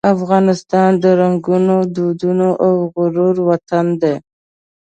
افغانستان د رنګونو، دودونو او غرور وطن دی.